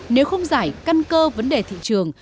nếu không giải căn cơ vấn đề thị trường